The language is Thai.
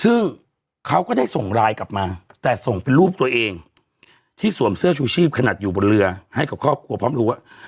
ซึ่งเขาก็ได้ส่งไลน์กลับมาแต่ส่งเป็นรูปตัวเองที่สวมเสื้อชูชีพขนาดอยู่บนเรือให้กับครอบครัวพร้อมรู้ว่า